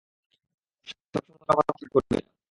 সবসময় উত্রা-পাত্রা করবি না!